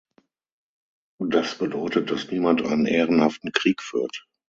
Das bedeutet, dass niemand einen ehrenhaften Krieg führt.